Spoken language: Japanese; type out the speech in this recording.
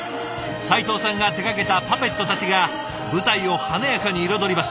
齊藤さんが手がけたパペットたちが舞台を華やかに彩ります。